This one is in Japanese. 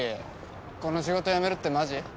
この仕事辞めるってマジ？